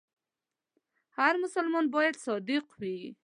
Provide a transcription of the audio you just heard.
هر مسلمان باید صادق وي.